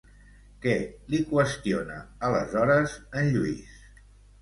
Què li qüestiona, aleshores, en Lluís?